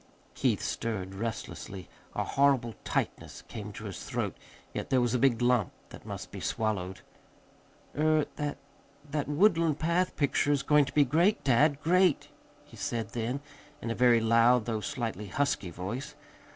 Keith stirred restlessly. A horrible tightness came to his throat, yet there was a big lump that must be swallowed. "Er that that Woodland Path picture is going to be great, dad, great!" he said then, in a very loud, though slightly husky, voice.